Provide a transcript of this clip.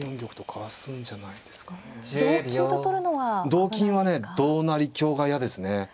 同金はね同成香が嫌ですね。